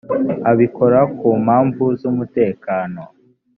abikora ku mpamvu z ‘umutekano .